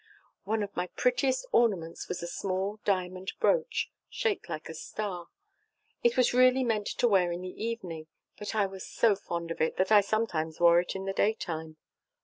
One of my prettiest ornaments was a small diamond brooch shaped like a star. It was really meant to wear in the evening, but I was so fond of it, that I sometimes wore it in the daytime.